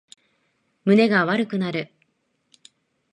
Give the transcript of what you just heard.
胸が悪くなる